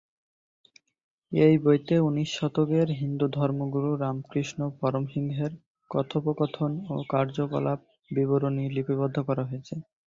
এই বইতে উনিশ শতকের হিন্দু ধর্মগুরু রামকৃষ্ণ পরমহংসের কথোপকথন ও কার্যকলাপের বিবরণী লিপিবদ্ধ করা হয়েছে।